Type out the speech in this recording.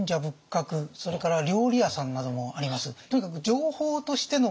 それから料理屋さんなどもあります。